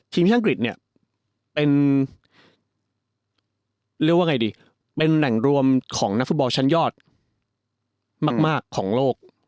ทีมภิกษาอังกฤษเป็นแหล่งรวมของนักฟุตบอลชั้นยอดมากของโลก